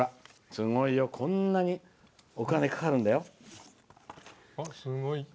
すごいよ、こんなにお金がかかるんだよ。